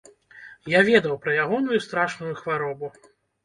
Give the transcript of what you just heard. Я ведаў пра ягоную страшную хваробу.